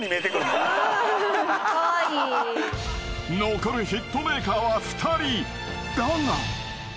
［残るヒットメーカーは２人だが］